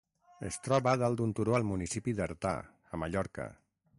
Es troba dalt d'un turó al municipi d'Artà, a Mallorca.